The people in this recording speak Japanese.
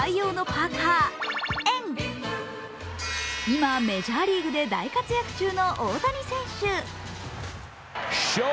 今メジャーリーグで大活躍中の大谷選手。